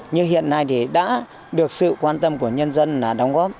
như hiện nay thì đã được sự quan tâm của nhân dân là đóng góp